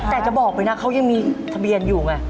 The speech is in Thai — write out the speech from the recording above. แต่จะบอกไปนะเขายังมีทะเบียนอยู่ไง